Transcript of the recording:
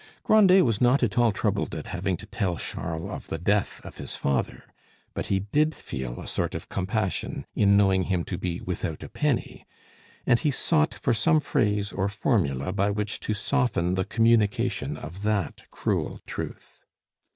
Grandet was not at all troubled at having to tell Charles of the death of his father; but he did feel a sort of compassion in knowing him to be without a penny, and he sought for some phrase or formula by which to soften the communication of that cruel truth.